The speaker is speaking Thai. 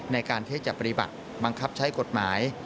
ในการที่จะปฏิบัติบังคับใช้กฎหมาย